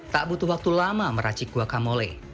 tak butuh waktu lama meracik guacamole